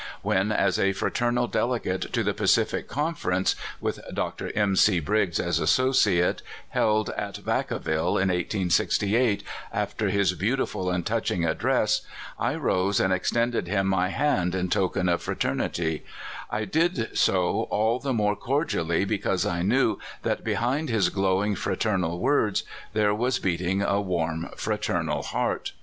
When, as a fraternal delegate to the Pacific Conference (with Dr. M. C. Briggs as associate), held at Vaca ville in 1868, after his beautiful and touching ad dress, I rose and extended him my hand in tokeo of fraternity, I did so all the more cordially because I knew that behind his glowing, fraternal words, there was beating a Avarm, fraternal heart.